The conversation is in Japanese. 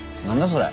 それ。